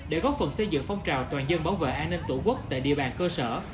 để góp phần xây dựng phong trào toàn dân bảo vệ an ninh tổ quốc tại địa bàn cơ sở